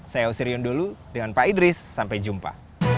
saya oceriun dulu dengan pak idris sampai jumpa